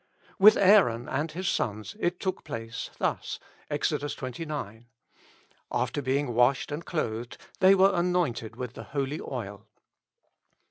With Aaron and his sons it took place thus (Ex. xxix.): After being washed and clothed, they were anointed with the holy oil.